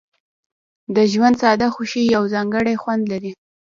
د ژوند ساده خوښۍ یو ځانګړی خوند لري.